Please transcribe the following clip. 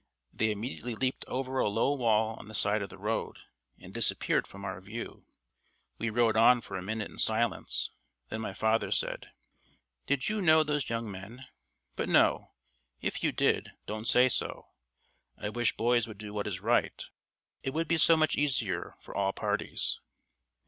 They immediately leaped over a low wall on the side of the road, and disappeared from our view. We rode on for a minute in silence; then my father said: "Did you know those young men? But no; if you did, don't say so. I wish boys would do what is right, it would be so much easier for all parties!"